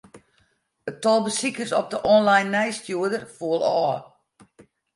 It tal besikers op de online nijsstjoerder foel ôf.